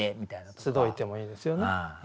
「つどひて」もいいですよね。